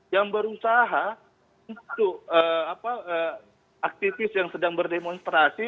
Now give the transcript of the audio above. yang berusaha untuk aktivis yang sedang berdemonstrasi